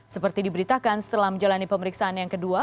seperti diberitakan setelah menjalani pemeriksaan yang kedua